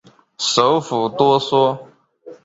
首府多索。